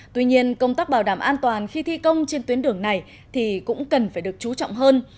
tuy nhiên công tác bảo đảm an toàn khi thi công trên tuyến đường này thì cũng cần phải được chú trọng hơn